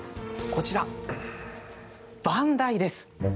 こちら、番台です。